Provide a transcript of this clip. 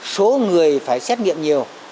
số người phải xét nghiệm nhiều